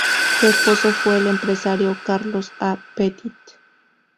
Su esposo fue el empresario Carlos A. Petit.